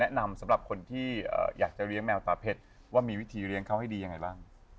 สำหรับคนที่อยากจะเลี้ยงแมวตาเพชรว่ามีวิธีเลี้ยงเขาให้ดียังไงบ้าง